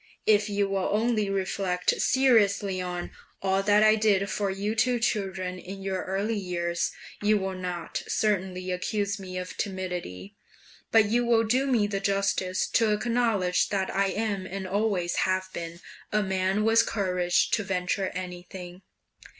If you will only reflect seriously on all that I did for you two children in your early years, you will not certainly accuse me of timidity, but you will do me the justice to acknowledge that I am, and always have been, a man with courage to venture anything.